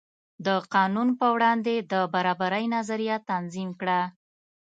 د قانون په وړاندې د برابرۍ نظریه تنظیم کړه.